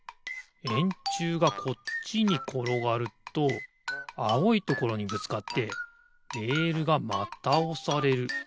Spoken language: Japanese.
えんちゅうがこっちにころがるとあおいところにぶつかってレールがまたおされる。